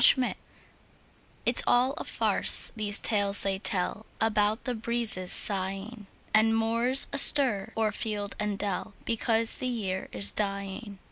MERRY AUTUMN It's all a farce, these tales they tell About the breezes sighing, And moans astir o'er field and dell, Because the year is dying.